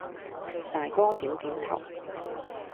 大哥點點頭。